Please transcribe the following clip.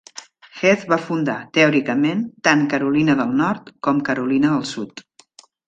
Heath va fundar, teòricament, tant Carolina del Nord com Carolina del Sud.